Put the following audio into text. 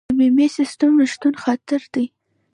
د بیمې سیستم نشتون خطر دی.